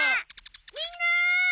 みんな！